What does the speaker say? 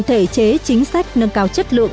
thể chế chính sách nâng cao chất lượng